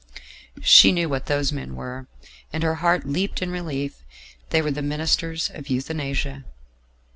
She knew what those men were, and her heart leaped in relief. They were the ministers of euthanasia.